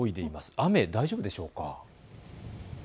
雨は大丈夫でしょうか。